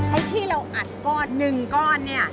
ให้ที่เราอัดก้อนหนึ่งก้อนเนี่ย